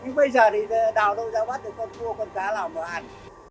nhưng bây giờ thì nào tôi ra bắt được con cua con cá nào mà ăn